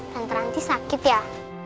tante ranti sakit ya